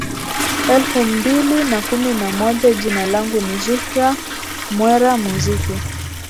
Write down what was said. elfu mbili na kumi na moja jina langu ni zuhra mwera muziki